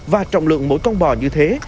và trọng lượng mỗi con bò như thế